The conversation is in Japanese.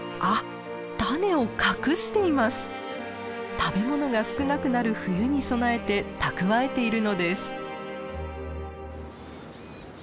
食べ物が少なくなる冬に備えて蓄えているのです。